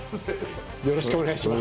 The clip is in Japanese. よろしくお願いします。